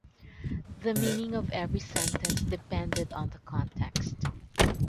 The meaning of every sentence depended on the context.